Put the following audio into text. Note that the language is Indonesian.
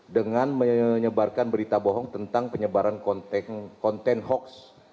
dengan menyebarkan berita bohong tentang penyebaran konten hoax